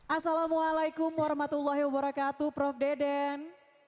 assalamu'alaikum warahmatullahi wabarakatuh prof dedan